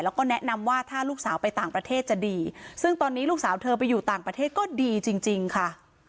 แล้วก็แนะนำว่าถ้าลูกสาวไปต่างประเทศจะดีซึ่งตอนนี้ลูกสาวเธอไปอยู่ต่างประเทศก็ดีจริงค่ะ